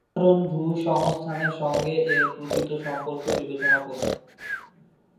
এর সাধারণ ভূসংস্থানের সঙ্গে এর প্রকৃত সম্পর্ক বিবেচনা করুন।